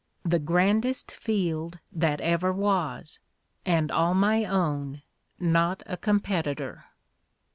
The grandest field that ever was; and all my own, not a competitor."